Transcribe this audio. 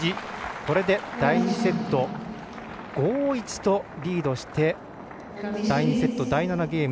これで第２セット５−１と、リードして第２セット、第７ゲーム